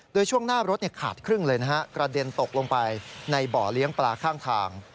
โดยช่วงหน้ารถขาดครึ่งเลยนะฮะกระเด็นตกลงไปในบ่อเลี้ยงปลาข้างทาง